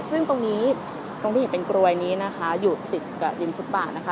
ซึ่งตรงนี้ตรงที่เห็นเป็นกรวยนี้นะคะอยู่ติดกับริมฟุตบาทนะคะ